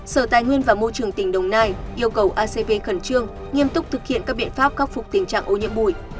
sở tài nguyên và môi trường tỉnh đồng nai yêu cầu acv khẩn trương nghiêm túc thực hiện các biện pháp khắc phục tình trạng ô nhiễm bụi